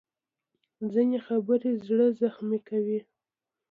ځینې خبرې زړه زخمي کوي